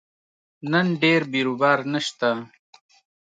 نن ډېر بیروبار نشته